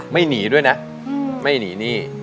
หนีด้วยนะไม่หนีหนี้